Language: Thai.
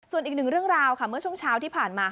ส่วนอีกหนึ่งเรื่องราวค่ะเมื่อช่วงเช้าที่ผ่านมา